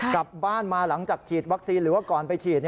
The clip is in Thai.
กลับบ้านมาหลังจากฉีดวัคซีนหรือว่าก่อนไปฉีด